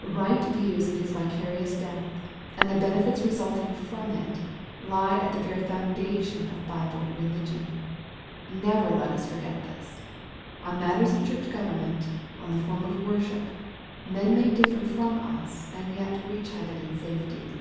Right views of His vicarious death, and the benefits / MATTHEW, CHAP. XVI. 201 resulting from t, lie at the very foundation of Bible religion. Never let us forget this. On matters of church government, and the form of worship, men may differ from us^ and yet reach heaven in safety.